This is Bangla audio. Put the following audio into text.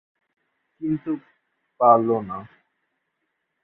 কিন্তু পারল না।